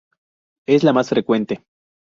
Es la más frecuente".